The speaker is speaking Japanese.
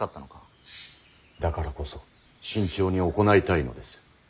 だからこそ慎重に行いたいのです。